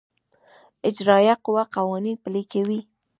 اجرائیه قوه قوانین پلي کوي